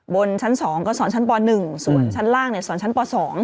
บนชั้น๒ก็สอนชั้นป๑ส่วนชั้นล่างสอนชั้นป๒